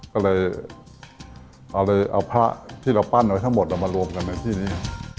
ก็เลยเอาพระที่เราปั้นเอาไว้ทั้งหมดเอามารวมกันในที่นี้